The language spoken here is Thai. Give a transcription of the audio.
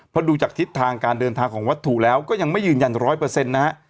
เพราะดูจากทิศทางการเดินทางของวัตถุแล้วก็ยังไม่ยืนยันร้อยเปอร์เซ็นต์นะฮะ